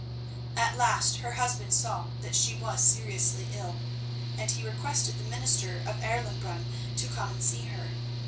At last her husband saw that she was seriously ill, and he requested the minister of Erlenbrunn to come and see her.